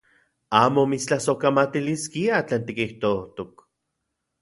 Amo mitstlasojkamatiliskia tlen tikijtojtok.